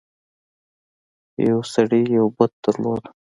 یو سړي یو بت درلود.